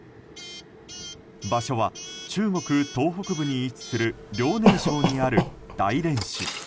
場所は中国東北部に位置する遼寧省にある大連市。